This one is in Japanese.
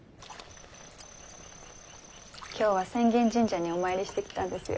今日は浅間神社にお参りしてきたんですよ。